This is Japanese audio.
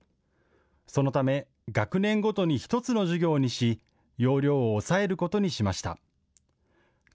そのため学年ごとに１つの授業にし、容量を抑えることにしました。